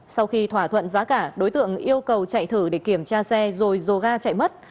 sau khi thỏa thuận giá cả đối tượng yêu cầu chạy thử để kiểm tra xe rồi dồ ga chạy mất